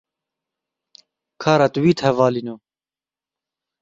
Ka retwît hevalino?